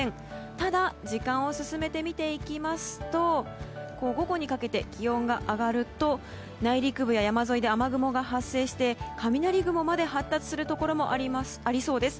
ただ時間を進めて見ていきますと午後にかけて気温が上がると内陸部や山沿いで雨雲が発生して雷雲まで発達するところもありそうです。